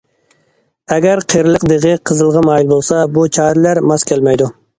ئەگەر قېرىلىق دېغى قىزىلغا مايىل بولسا بۇ چارىلەر ماس كەلمەيدۇ.